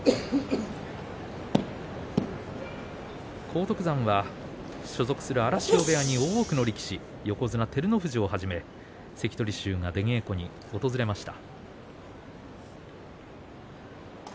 荒篤山は所属する荒汐部屋に多くの力士、横綱照ノ富士をはじめ関取衆が出稽古に訪れました。